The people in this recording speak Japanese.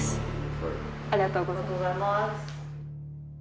ありがとうございます。